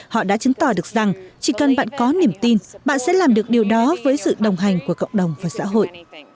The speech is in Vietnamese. họ đã chứng tỏ được rằng chỉ cần bạn có niềm tin bạn sẽ làm được điều đó với sự đồng hành của cộng đồng và xã hội